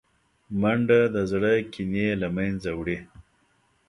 منډه د زړه کینې له منځه وړي